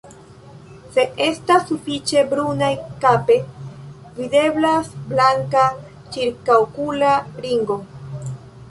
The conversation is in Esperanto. Se estas sufiĉe brunaj kape, videblas blanka ĉirkaŭokula ringo.